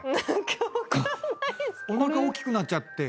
おなか大きくなっちゃって。